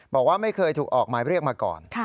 บอกว่าไม่เคยถูกออกหมายเรียกมาก่อน